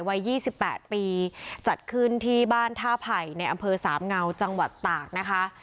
วัย๒๘ปีจัดขึ้นที่บ้านท่าไผ่ในอำเภอสามเงาจังหวัดตากนะคะ